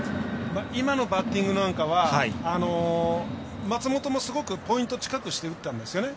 今のバッティングなんかは松本もすごくポイント近くして打ったんですよね。